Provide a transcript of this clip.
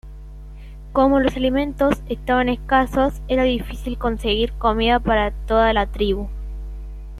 Como los alimentos estaban escasos, era difícil conseguir comida para toda la tribu.